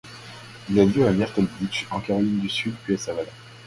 Il a lieu à Myrtle Beach en Caroline du Sud puis à Savannah.